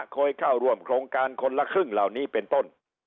เคยเข้าร่วมโครงการคนละครึ่งเหล่านี้เป็นต้น